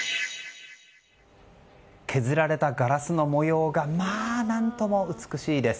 削られたガラスの模様がまあ、何とも美しいです。